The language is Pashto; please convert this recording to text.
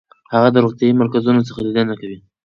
هغه د روغتیايي مرکزونو څخه لیدنه کوي.